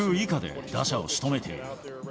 ４球以下で打者をしとめている。